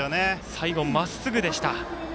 最後、まっすぐでした。